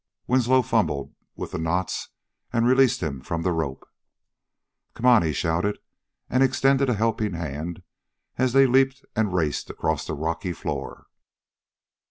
Winslow fumbled with the knots and released him from the rope. "Come on!" he shouted, and extended a helping hand as they leaped and raced across the rocky floor.